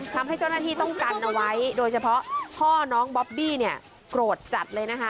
ทำให้เจ้าหน้าที่ต้องกันเอาไว้โดยเฉพาะพ่อน้องบอบบี้เนี่ยโกรธจัดเลยนะคะ